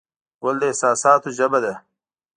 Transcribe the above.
ګل د احساساتو ژبه ده.